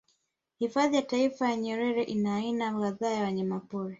Hifadhi ya Taifa ya Nyerere ina aina kadhaa za wanyamapori